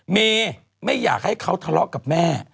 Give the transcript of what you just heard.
เมย์ไม่อยากให้เขาทะเลาะกับแม่